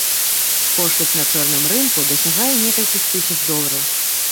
Кошт іх на чорным рынку дасягае некалькіх тысяч долараў.